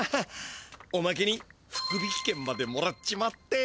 おまけに福引券までもらっちまって。